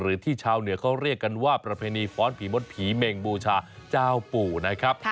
ที่ชาวเหนือเขาเรียกกันว่าประเพณีฟ้อนผีมดผีเมงบูชาเจ้าปู่นะครับ